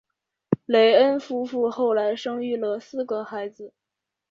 雷恩夫妇后来生育了四个孩子。